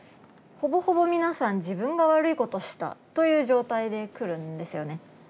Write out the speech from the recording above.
ほぼほぼ皆さん自分が悪いことしたという状態で来るんですよね。